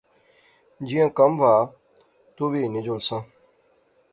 جیاں کم وہا، تو وی ہنی جولساں